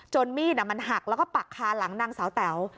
มีดมันหักแล้วก็ปักคาหลังนางสาวแต๋ว